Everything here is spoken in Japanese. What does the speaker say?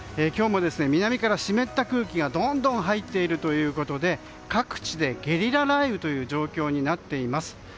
南から湿った空気がどんどん入っているということで各地でゲリラ雷雨という状況になっています。